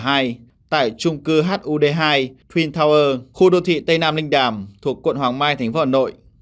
tại trung cư hud hai twin tower khu đô thị tây nam linh đàm thuộc quận hoàng mai tp hcm